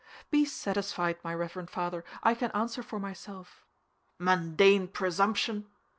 "Be satisfied, my reverend father, I can answer for myself." "Mundane presumption!"